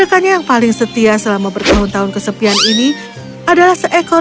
rekannya yang paling setia selama bertahun tahun kesepian ini adalah seekor pudal bernama volo